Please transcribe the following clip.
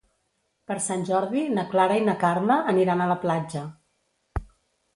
Per Sant Jordi na Clara i na Carla aniran a la platja.